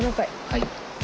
はい。